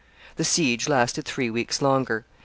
The siege lasted three weeks longer.